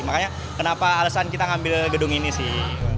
makanya kenapa alasan kita ngambil gedung ini sih